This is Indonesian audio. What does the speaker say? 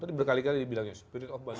tadi berkali kali dibilangnya spirit of busine